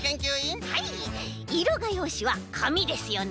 はいいろがようしはかみですよね？